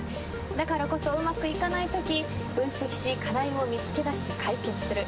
だからこそうまくいかない時分析し課題を見つけ出し、解決する。